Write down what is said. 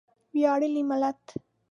ویاړلی ملت.